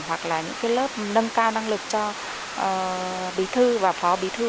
hoặc là những lớp nâng cao năng lực cho bí thư và phó